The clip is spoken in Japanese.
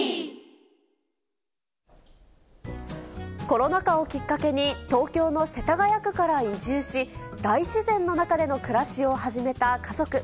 コロナ禍をきっかけに、東京の世田谷区から移住し、大自然の中での暮らしを始めた家族。